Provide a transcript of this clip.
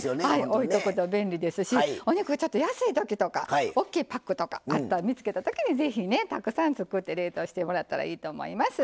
置いとくと便利ですしお肉ちょっと安いときとかおっきいパックとかあったら見つけたときにぜひねたくさん作って冷凍してもらったらいいと思います。